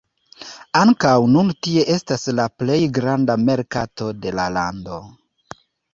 Ankaŭ nun tie estas la plej granda merkato de la lando.